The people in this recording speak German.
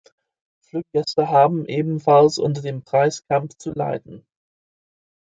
Fluggäste haben ebenfalls unter dem Preiskampf zu leiden.